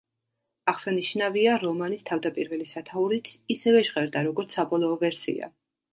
აღსანიშნავია, რომანის თავდაპირველი სათაურიც ისევე ჟღერდა, როგორც საბოლოო ვერსია.